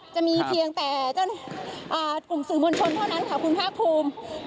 จะมีเพียงแต่เจ้ากลุ่มสื่อมวลชนเท่านั้นค่ะคุณภาคภูมิ